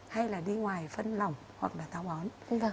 hay là đi ngoài phân lòng hoặc là táo bón